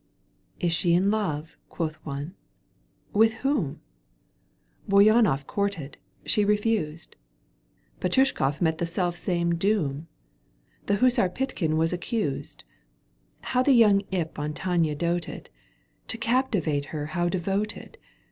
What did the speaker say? Is she in love ?" quoth one. " With whom ? BouyJmoff courted. She refused. Petoushkofif met the selfsame doom. The hussar Pykhtin was accused. How the young imp on Tania doted ! To captivate her how devoted